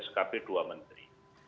skp dua menteri